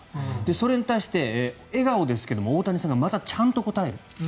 それに対して、笑顔ですけど大谷さんがまたちゃんと答える。